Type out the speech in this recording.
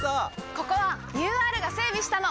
ここはＵＲが整備したの！